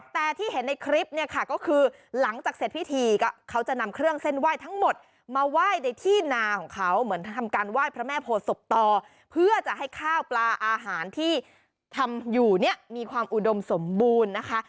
แต่ที่เห็นในคลิปเนี่ยค่ะก็คือหลังจากเสร็จพิธีก็เขาจะนำเครื่องเส้นไหว้ทั้งหมดมาไหว้ในที่นาของเขาเหมือนทำการไหว้พระแม่โพศพต่อเพื่อจะให้ข้าวปลาอาหารที่ทำอยู่เนี่ยมีความอุดมสมบูรณ์นะคะ